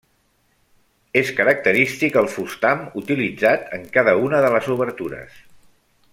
És característic el fustam utilitzat en cada una de les obertures.